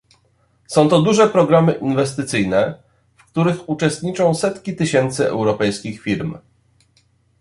Są to duże programy inwestycyjne, w których uczestniczą setki tysięcy europejskich firm